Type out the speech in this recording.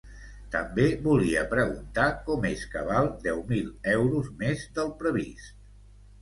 També volia preguntar com és que val deu mil euros més del previst.